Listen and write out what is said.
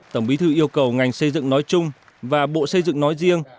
tổng bí thư yêu cầu ngành xây dựng nói chung và bộ xây dựng nói riêng